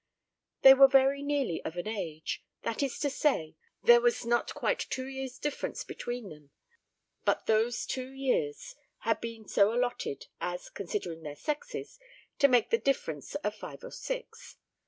They were very nearly of an age, that is to say, there was not quite two years' difference between them, but those two years had been so allotted, as, considering their sexes, to make the difference of five or six.